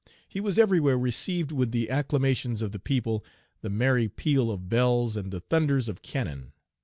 He was everywhere received with the acclamations of the people, the merry peal of bells, and the thunders of cannon.